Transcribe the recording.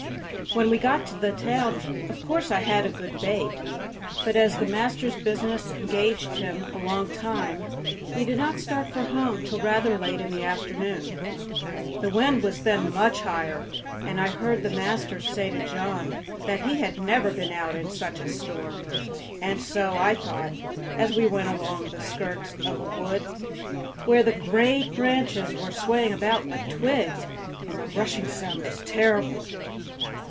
When we got to the town of course I had a good bait, but as the master's business engaged him a long time we did not start for home till rather late in the afternoon. The wind was then much higher, and I heard the master say to John that he had never been out in such a storm; and so I thought, as we went along the skirts of a wood, where the great branches were swaying about like twigs, and the rushing sound was terrible.